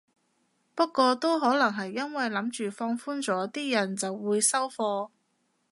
不過都可能係因為諗住放寬咗啲人就會收貨